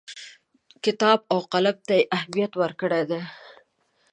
کتاب او قلم ته یې اهمیت ورکړی دی.